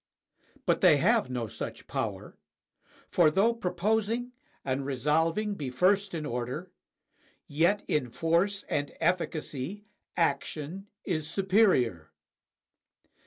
But they have no such power ; for though proposing and resolving be first in order, yet in force and efficacy action is superior.